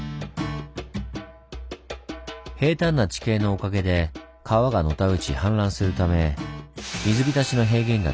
平坦な地形のおかげで川がのたうち氾濫するため水浸しの平原ができていたんです。